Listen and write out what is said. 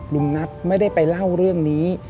ลุงนัทไม่ได้ไปเล่าเรื่องนี้